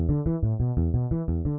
masukkan kembali ke tempat yang diperlukan